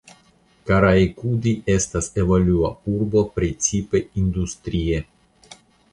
Karaikudi estas evolua urbo precipe industrie.